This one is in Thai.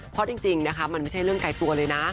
เพราะจริงนะคะมันไม่ใช่เรื่องไกลตัวเลยนะ